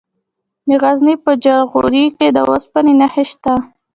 د غزني په جاغوري کې د اوسپنې نښې شته.